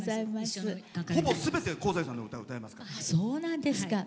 ほぼ、すべて香西さんの歌、歌えますから。